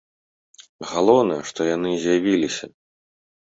Галоўнае, што яны з'явіліся.